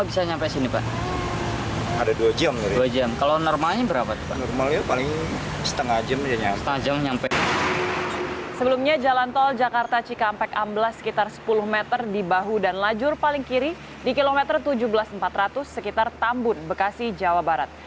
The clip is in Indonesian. sebelumnya jalan tol jakarta cikampek amblas sekitar sepuluh meter di bahu dan lajur paling kiri di kilometer tujuh belas empat ratus sekitar tambun bekasi jawa barat